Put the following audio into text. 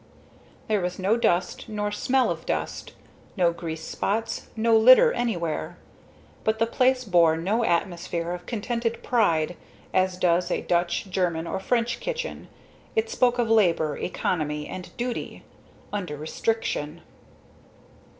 There was no dust nor smell of dust; no grease spots, no litter anywhere. But the place bore no atmosphere of contented pride, as does a Dutch, German or French kitchen, it spoke of Labor, Economy and Duty under restriction.